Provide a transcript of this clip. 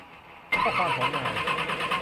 ข้อความของนาย